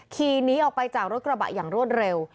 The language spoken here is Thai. ขี่หนีออกไปจากรถกระบะอย่างรวดเร็ว